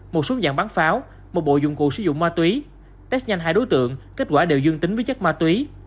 một xuống dạng bắn pháo một bộ dụng cụ sử dụng ma túy